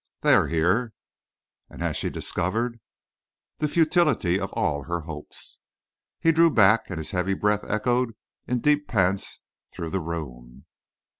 "They are here." "And she has discovered " "The futility of all her hopes." He drew back, and his heavy breath echoed in deep pants through the room.